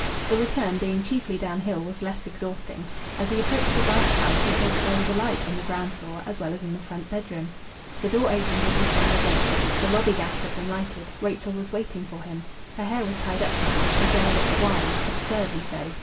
The return, being chiefly downhill, was less exhausting. As he approached his aunt's house he saw that there was a light on the ground floor as well as in the front bedroom. The door opened as he swung the gate. The lobby gas had been lighted. Rachel was waiting for him. Her hair was tied up now. The girl looked wise, absurdly so.